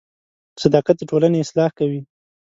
• صداقت د ټولنې اصلاح کوي.